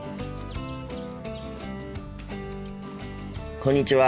こんにちは。